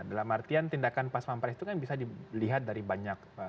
dalam artian tindakan pas pampres itu kan bisa dilihat dari banyak